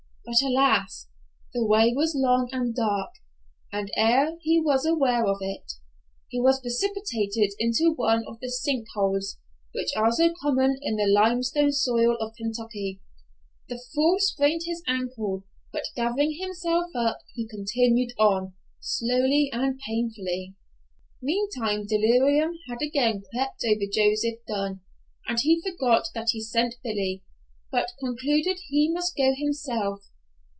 But alas! The way was long and dark, and ere he was aware of it, he was precipitated into one of the sink holes which are so common in the limestone soil of Kentucky. The fall sprained his ankle, but gathering himself up, he continued on, slowly and painfully. Meantime delirium had again crept over Joseph Dunn, and he forgot that he sent Billy, but concluded he must go himself.